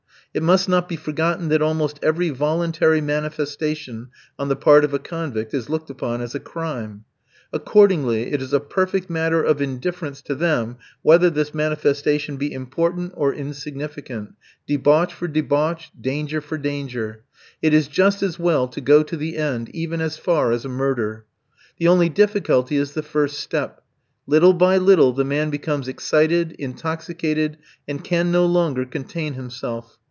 It must not be forgotten that almost every voluntary manifestation on the part of a convict is looked upon as a crime. Accordingly, it is a perfect matter of indifference to them whether this manifestation be important or insignificant, debauch for debauch, danger for danger. It is just as well to go to the end, even as far as a murder. The only difficulty is the first step. Little by little the man becomes excited, intoxicated, and can no longer contain himself.